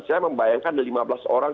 saya membayangkan lima belas orang